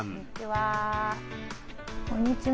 こんにちは。